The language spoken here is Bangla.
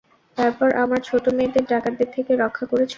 তারপর আমার ছোট মেয়েদের ডাকাতদের থেকে রক্ষা করেছ।